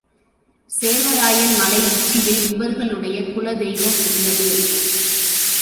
சேர்வராயன் மலை உச்சியில் இவர்களுடைய குல தெய்வம் உள்ளது.